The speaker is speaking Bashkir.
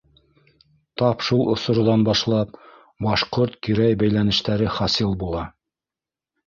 Тап шул осорҙан башлап, башҡорт-кирәй бәйләнештәре хасил була.